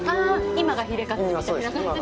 今がヒレカツみたいな感じで？